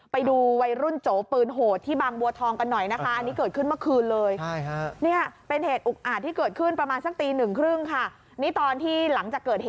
ไปดูวัยรุ่นโจปืนโหดที่บางบัวทองกันหน่อยนะคะอันนี้เกิดขึ้นเมื่อคืนเลย